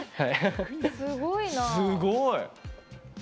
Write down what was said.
すごい。